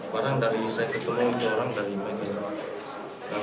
barang dari saya ketemu itu orang dari medan